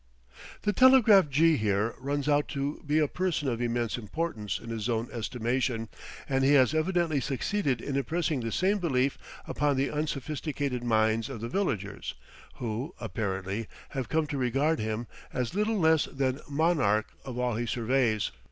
The telegraph jee here turns out to be a person of immense importance in his own estimation, and he has evidently succeeded in impressing the same belief upon the unsophisticated minds of the villagers, who, apparently, have come to regard him as little less than "monarch of all he surveys."